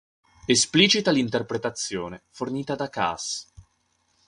Esplicita l'interpretazione fornita da Cass.